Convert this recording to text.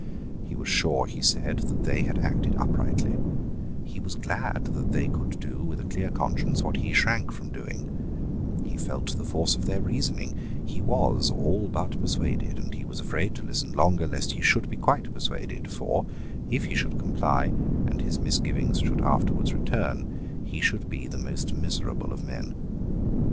He was sure, he said, that they had acted uprightly: he was glad that they could do with a clear conscience what he shrank from doing: he felt the force of their reasoning: he was all but persuaded; and he was afraid to listen longer lest he should be quite persuaded: for, if he should comply, and his misgivings should afterwards return, he should be the most miserable of men.